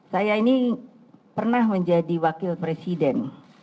saya ini pernah menjadi wakil presiden